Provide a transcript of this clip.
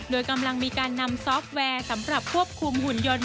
โดยกำลังมีการนำซอฟต์แวร์สำหรับควบคุมหุ่นยนต์